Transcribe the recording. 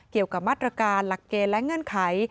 เกี่ยวกับมาตรการหลักเกณฑ์และเงื่อนไข